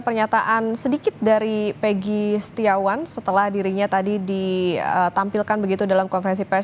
jangan dengar jangan menentip nanti kita sama sama mendengar